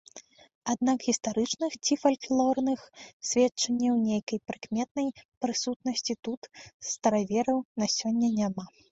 Аднак гістарычных ці фальклорных сведчанняў нейкай прыкметнай прысутнасці тут старавераў на сёння няма.